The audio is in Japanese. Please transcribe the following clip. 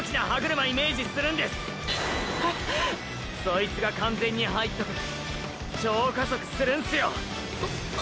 ⁉そいつが完全に「入った」時超加速するんすよ。